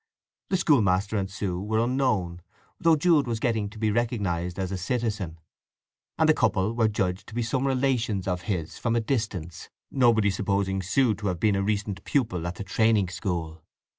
The schoolmaster and Sue were unknown, though Jude was getting to be recognized as a citizen; and the couple were judged to be some relations of his from a distance, nobody supposing Sue to have been a recent pupil at the training school.